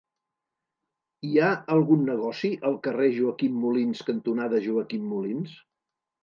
Hi ha algun negoci al carrer Joaquim Molins cantonada Joaquim Molins?